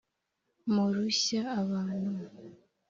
murushya abantu